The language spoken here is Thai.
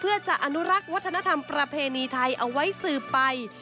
เพื่อจะอนุรักษ์วัฒนธรรมประเพณีไทยเอาไว้สืบไป